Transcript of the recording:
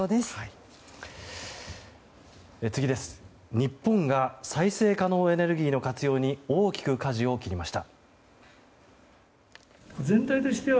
日本が再生可能エネルギーの活用に大きく舵を切りました。